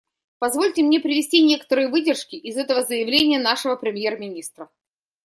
Позвольте мне привести некоторые выдержки из этого заявления нашего премьер-министра.